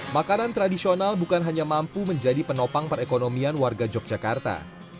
makanan tradisional bukan hanya mampu menjadi penopang perekonomian warga yogyakarta